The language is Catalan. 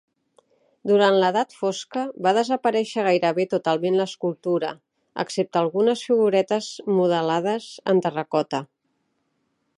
Durant l'edat fosca va desaparèixer gairebé totalment l'escultura, excepte algunes figuretes modelades en terracota.